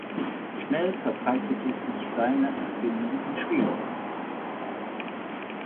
Schnell verbreitete sich seine Erfindung in Schweden.